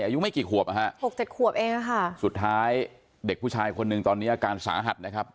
อายุไม่กี่ขวบอ่ะฮะหกเจ็ดขวบเองค่ะสุดท้ายเด็กผู้ชายคนหนึ่งตอนนี้อาการสาหัสนะครับ